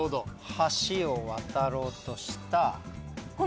橋を渡ろうとした。